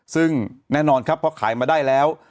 ซึ่งแน่นอนครับพอขายมาได้แล้ว